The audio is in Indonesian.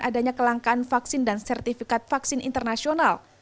adanya kelangkaan vaksin dan sertifikat vaksin internasional